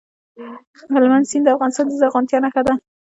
هلمند سیند د افغانستان د زرغونتیا نښه ده.